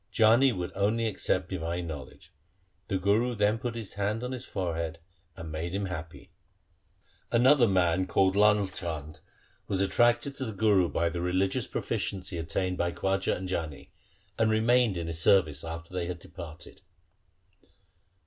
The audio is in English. Jani would only accept divine knowledge. The Guru then put his hand on his forehead, and made him happy. Another man called Lai Chand was 1 Gauri. LIFE OF GURU HAR GOBIND 123 attracted to the Guru by the religious proficiency attained by Khwaja and Jani, and remained in his service after they had departed.